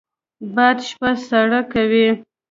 باد شپه سړه کوي